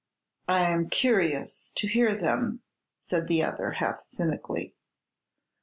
"I am curious to hear them," said the other, half cynically.